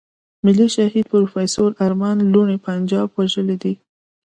ملي شهيد پروفېسور ارمان لوڼی پنجاب وژلی دی.